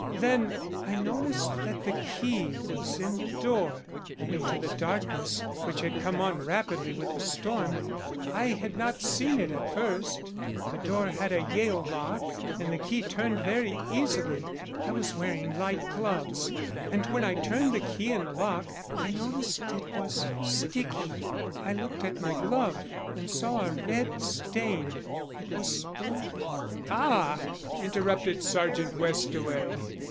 Then I noticed that the key was in the door. Owing to the darkness, which had come on rapidly with the storm, I had not seen it at first. The door had a Yale lock and the key turned very easily. I was wearing light gloves, and when I turned the key in the lock I noticed it was sticky. I looked at my glove and saw a red stain it was blood." "Ah!" interrupted Sergeant Westaway.